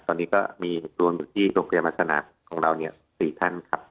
ตอนนี้ก็มีรวมอยู่ที่โรงพยาบาลสนามของเรา๔ท่านครับ